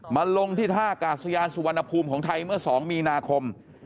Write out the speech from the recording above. ลงที่ท่ากาศยานสุวรรณภูมิของไทยเมื่อ๒มีนาคม